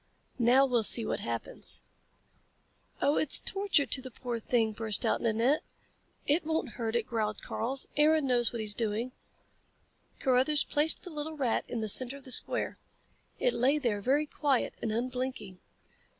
"Now we'll see what happens." "Oh, it's torture to the poor thing," burst out Nanette. "It won't hurt it," growled Karl. "Aaron knows what he's doing." Carruthers placed the little rat in the center of the square. It lay there, very quiet and unblinking.